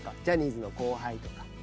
ジャニーズの後輩とか。